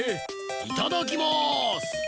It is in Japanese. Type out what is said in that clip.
いただきます！